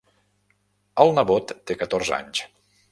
El nebot té catorze anys.